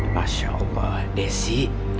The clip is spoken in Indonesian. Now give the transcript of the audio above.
masya allah desi